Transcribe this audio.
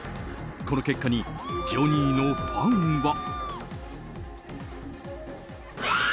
この結果にジョニーのファンは。